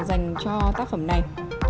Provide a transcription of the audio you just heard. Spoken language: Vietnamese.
dành cho tác phẩm này